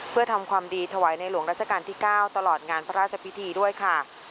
เพื่อทำความดีถวายในหลวงรัชกาลที่๙ตลอดงานพระราชพิธีด้วยค่ะ